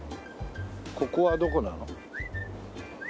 ここはどこなの？